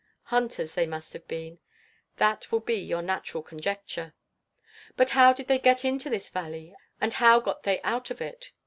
Hunters they must have been. That will be your natural conjecture. But how did they get into this valley, and how got they out of it?